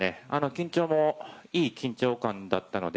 緊張も、いい緊張感だったんで、